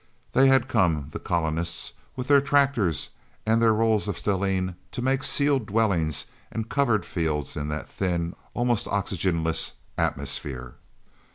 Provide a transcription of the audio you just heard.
Then had come the colonists, with their tractors and their rolls of stellene to make sealed dwellings and covered fields in that thin, almost oxygenless atmosphere.